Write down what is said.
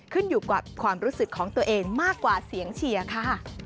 ขึ้นอยู่กับความรู้สึกของตัวเองมากกว่าเสียงเชียร์ค่ะ